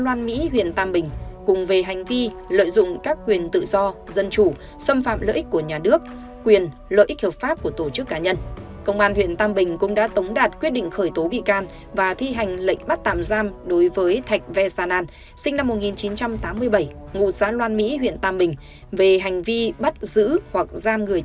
liên quan vụ việc trước đó cơ quan an ninh điều tra công an tỉnh vĩnh long đã tống đặt quyết định khởi tố bị can và thi hành lệnh bắt tạm giam thạch chanh đa ra sinh năm một nghìn chín trăm tám mươi và kim khiêm sinh năm một nghìn chín trăm tám mươi